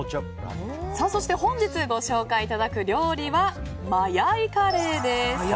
そして本日ご紹介いただく料理はマヤイカレーです。